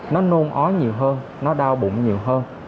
nó nôn ói nhiều hơn nó đau bụng nhiều hơn